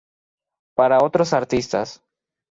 Para otros artistas.